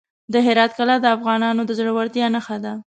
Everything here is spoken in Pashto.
د هرات کلا د افغانانو د زړورتیا نښه ده.